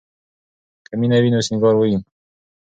که مینه وي نو سینګار وي.